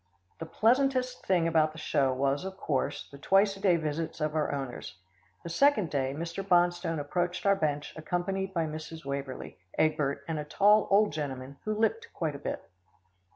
The pleasantest thing about the show was, of course, the twice a day visits of our owners. The second day, Mr. Bonstone approached our bench accompanied by Mrs. Waverlee, Egbert and a tall old gentleman who limped quite a bit.